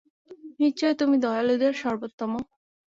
নিশ্চয় তুমি দয়ালুদের সর্বোত্তম।